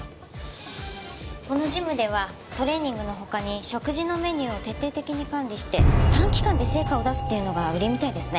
このジムではトレーニングの他に食事のメニューを徹底的に管理して短期間で成果を出すっていうのが売りみたいですね。